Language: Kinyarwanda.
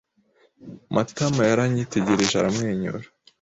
Matama yaranyitegereje aramwenyura.